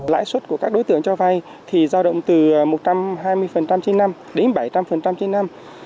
lãi suất của các đối tượng cho vay thì giao động từ một trăm hai mươi trên năm đến bảy trăm linh trên năm